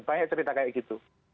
banyak cerita kayak gitu